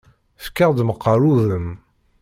Fek-aɣ-d meqqaṛ udem.